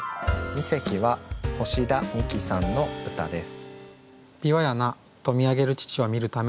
二席は星田美紀さんの歌です。